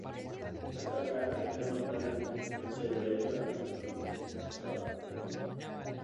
Esta placa quiere mostrar las consecuencias de odio a los judíos: la Shoa.